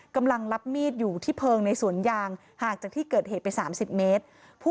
กำลังรับมีดอยู่ที่เพลิงในสวนยางห่างจากที่เกิดเหตุไป๓๐เมตร